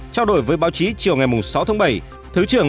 trao đổi với báo chí chiều ngày sáu tháng bảy